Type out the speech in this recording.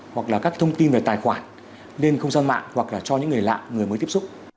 hoặc là các thông tin về tài khoản lên không gian mạng hoặc là cho những người lạ người mới tiếp xúc